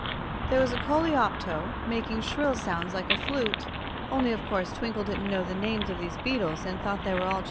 Then there was a coleopto, making shrill sounds like a flute only of course Twinkle didn't know the names of these beetles, and thought they were all just "bugs."